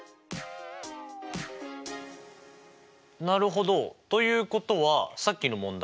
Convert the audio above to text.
なるほど。ということはさっきの問題。